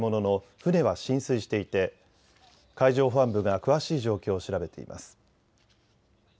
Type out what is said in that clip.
船は浸水していて海上保安部が詳しい状況を調べています。